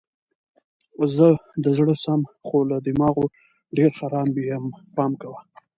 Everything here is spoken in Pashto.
زه د زړه سم خو له دماغو ډېر خراب یم پام کوه!